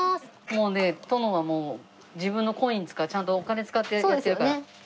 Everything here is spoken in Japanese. もうね殿は自分のコインつうかちゃんとお金使ってやってるから。